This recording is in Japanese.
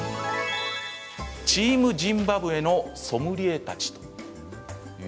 「チーム・ジンバブエのソムリエたち」です。